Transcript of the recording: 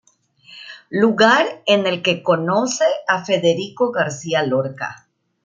Lugar en el que conoce a Federico García Lorca.